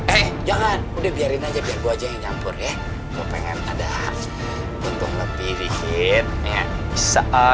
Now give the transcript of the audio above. eh jangan udah biarin aja biar gue aja yang campur ya pengen ada api lebih dikit ya bisa